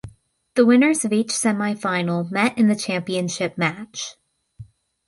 The winners of each semifinal met in the championship match.